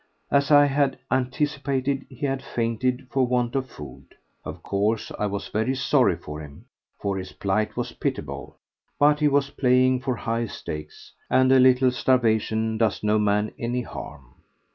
As I had anticipated, he had fainted for want of food. Of course, I was very sorry for him, for his plight was pitiable, but he was playing for high stakes, and a little starvation does no man any harm.